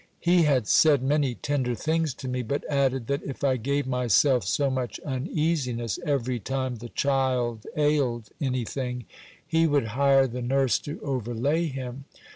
He had said many tender things to me; but added, that if I gave myself so much uneasiness every time the child ailed any thing, he would hire the nurse to overlay him.